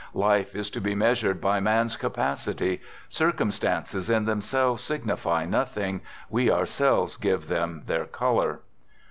Life is to be measured by man's capacity; circumstances in themselves signify nothing, we ourselves give them their color.